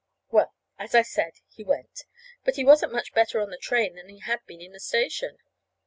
Well, as I said, he went. But he wasn't much better on the train than he had been in the station.